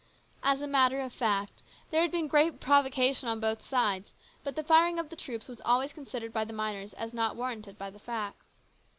Asa matter of fact, there had been great provocation on both sides, but the firing of the troops was always considered by the miners as not warranted by the facts.